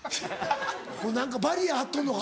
もう何かバリア張っとんのか。